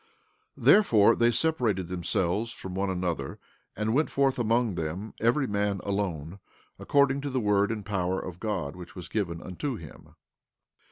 17:17 Therefore they separated themselves one from another, and went forth among them, every man alone, according to the word and power of God which was given unto him.